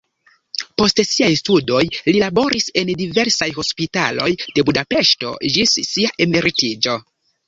Post siaj studoj li laboris en diversaj hospitaloj de Budapeŝto ĝis sia emeritiĝo.